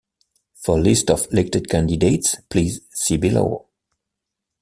For list of elected candidates please see below.